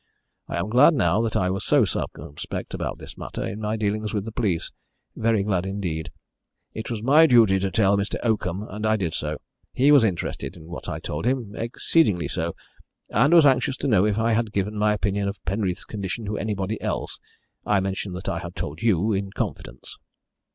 I am glad now that I was so circumspect about this matter in my dealings with the police very glad indeed. It was my duty to tell Mr. Oakham, and I did so. He was interested in what I told him exceedingly so, and was anxious to know if I had given my opinion of Penreath's condition to anybody else. I mentioned that I had told you in confidence."